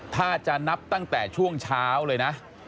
ถ้าจะนับตั้งแต่ช่วงเช้าเลยนะ